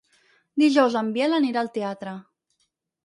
Dijous en Biel anirà al teatre.